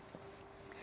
ini adalah video saya